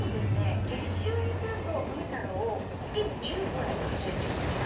月収にすると富太郎月に１５円稼いでいました。